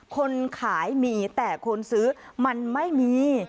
คนขายมีแต่คนซื้อมันไม่มี